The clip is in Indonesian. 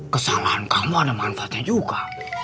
kesalahan kamu ada manfaatnya juga